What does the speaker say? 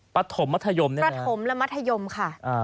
ประถมและมัธยมค่ะ